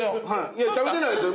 いや食べてないですよ！